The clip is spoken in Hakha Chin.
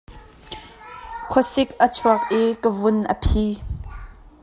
Khua sik a chuak i ka vun a phi.